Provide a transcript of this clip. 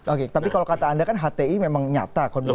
oke tapi kalau kata anda kan hti memang nyata kondisinya